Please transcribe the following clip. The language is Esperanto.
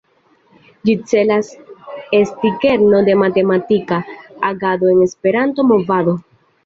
Ĝi celas esti kerno de matematika agado en Esperanto-movado.